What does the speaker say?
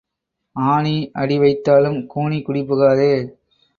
ஆனி அடி வைத்தாலும் கூனி குடி புகாதே.